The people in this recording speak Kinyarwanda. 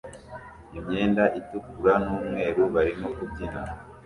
imyenda itukura n'umweru barimo kubyina